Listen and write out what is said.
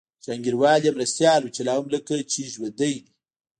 جهانګیروال یې مرستیال و چي لا هم لکه چي ژوندی دی